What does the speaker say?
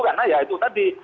karena ya itu tadi